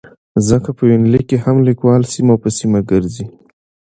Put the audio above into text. ځکه په يونليک کې هم ليکوال سيمه په سيمه ګرځي